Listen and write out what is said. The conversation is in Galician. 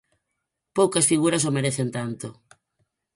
Poucas figuras o merecen tanto.